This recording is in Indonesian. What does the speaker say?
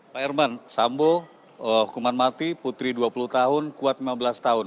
pak herman sambo hukuman mati putri dua puluh tahun kuat lima belas tahun